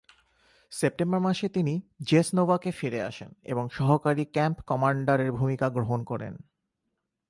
September মাসে তিনি জেসনোভাকে ফিরে আসেন এবং সহকারী-ক্যাম্প কমান্ডারের ভূমিকা গ্রহণ করেন।